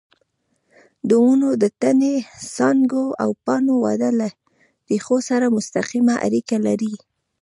د ونو د تنې، څانګو او پاڼو وده له ریښو سره مستقیمه اړیکه لري.